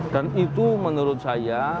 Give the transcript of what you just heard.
dan itu menurut saya